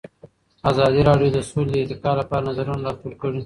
ازادي راډیو د سوله د ارتقا لپاره نظرونه راټول کړي.